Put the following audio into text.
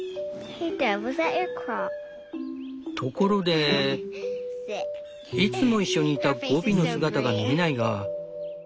ところでいつもいっしょにいたゴビの姿が見えないが。